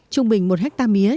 trung bình một ha mía